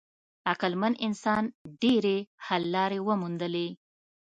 عقلمن انسان ډېرې حل لارې وموندلې.